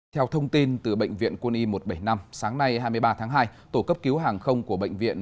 theo thông tin từ bệnh viện quân y một trăm bảy mươi năm sáng nay hai mươi ba tháng hai tổ cấp cứu hàng không của bệnh viện